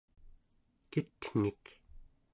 kitngik¹